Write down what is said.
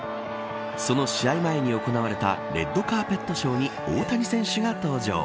その試合前に行われたレッドカーペットショーに大谷選手が登場。